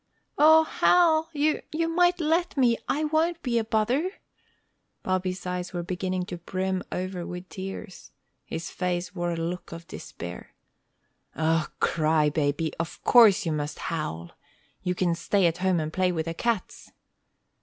"O Hal! you you might let me! I won't be a bother!" Bobby's eyes were beginning to brim over with tears. His face wore a look of despair. "O, cry baby; of course you must howl! You can stay at home and play with the cats."